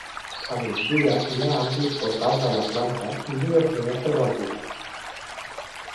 A migdia hi ha amplis portals a la planta i dues finestres al primer.